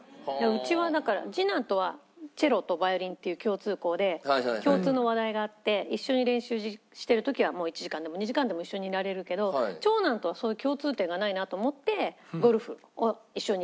うちはだから次男とはチェロとヴァイオリンっていう共通項で共通の話題があって一緒に練習してる時はもう１時間でも２時間でも一緒にいられるけど長男とはそういう共通点がないなと思ってゴルフを一緒に。